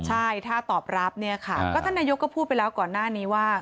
ใช่ถ้าตอบรับเนี่ยค่ะก็ท่านนายกก็พูดไปแล้วก่อนหน้านี้ว่า